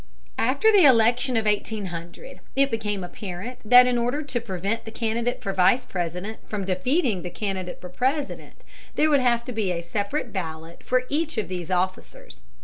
After the election of 1800 it became apparent that in order to prevent the candidate for Vice President from defeating the candidate for President, there would have to be a separate ballot for each of these officers.